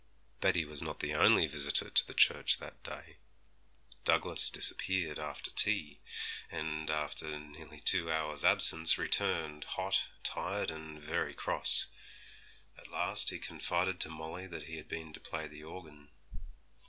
Betty was not the only visitor to the church that day. Douglas disappeared after tea, and after nearly two hours' absence returned, hot, tired, and very cross. At last he confided to Molly that he had been to play the organ.